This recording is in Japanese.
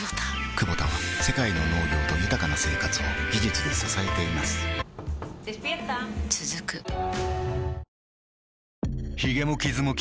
クボタは世界の農業と豊かな生活を技術で支えています起きて。